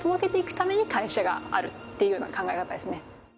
っていうような考え方ですね。